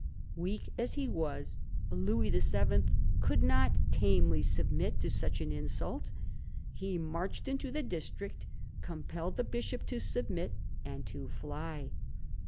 Weak as he was, Louis VII. could not tamely submit to such an insult. He marched into the district, compelled the bishop to submit and to fly.